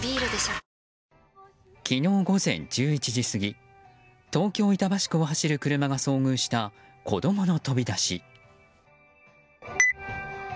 昨日午前１１時過ぎ東京・板橋区を走る車が遭遇した子供の飛び出し。